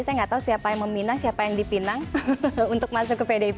saya nggak tahu siapa yang meminang siapa yang dipinang untuk masuk ke pdip